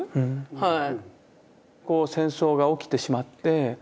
はい。